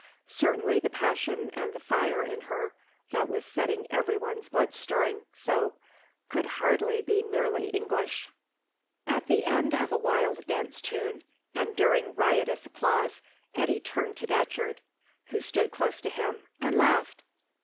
Certainly the passion and the fire in her, that was setting everyone's blood stirring so, could hardly be merely English. At the end of a wild dance tune, and during riotous applause, Eddy turned to Datcherd, who stood close to him, and laughed.